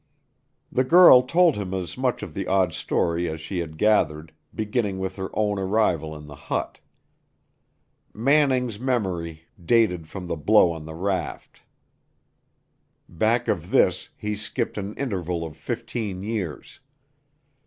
The girl told him as much of the odd story as she had gathered, beginning with her own arrival in the hut. Manning's memory dated from the blow on the raft. Back of this he skipped an interval of fifteen years.